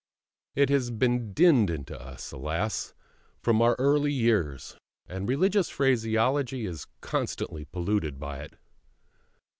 It has been dinned into us, alas, from our early years, and religious phraseology is constantly polluted by it.